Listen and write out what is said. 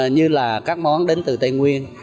như là các món đến từ tây nguyên